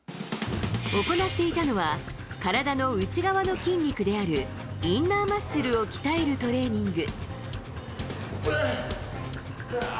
行っていたのは、体の内側の筋肉である、インナーマッスルを鍛えるトレーニング。